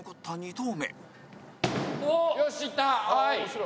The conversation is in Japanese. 村上：よし、いった！